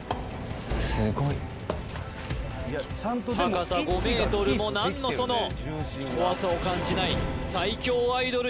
すごい高さ５ｍもなんのその怖さを感じない最強アイドル